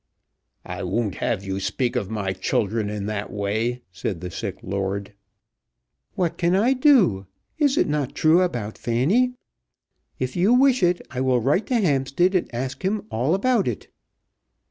'" "I won't have you speak of my children in that way," said the sick lord. "What can I do? Is it not true about Fanny? If you wish it, I will write to Hampstead and ask him all about it."